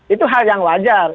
itu hal yang wajar